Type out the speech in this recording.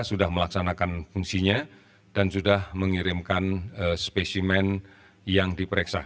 sudah melaksanakan fungsinya dan sudah mengirimkan spesimen yang diperiksa